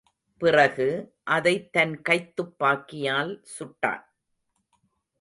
பிறகு, அதைத் தன் கைத்துப்பாக்கியால் சுட்டான்.